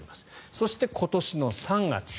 そして、今年の３月。